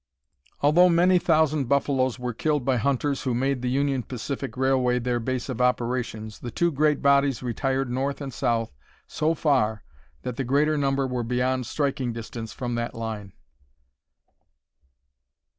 Although many thousand buffaloes were killed by hunters who made the Union Pacific Railway their base of operations, the two great bodies retired north and south so far that the greater number were beyond striking distance from that line.